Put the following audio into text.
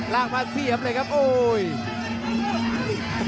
ลากมาเสียบเลยครับโอ้ย